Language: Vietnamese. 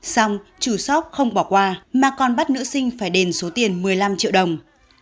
xong chủ shop không bỏ qua mà còn bắt nữ sinh phải đền số tiền một mươi năm triệu đồng